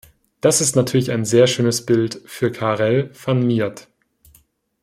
Das ist natürlich ein sehr schönes Bild für Karel van Miert.